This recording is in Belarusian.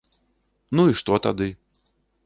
Ну і што тады?